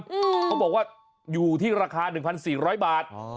เขาบอกว่าอยู่ที่ราคา๑๔๐๐บาท